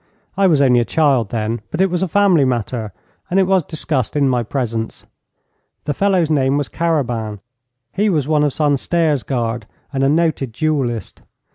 I was only a child then, but it was a family matter, and it was discussed in my presence. The fellow's name was Carabin. He was one of Sansterre's Guard, and a noted duellist.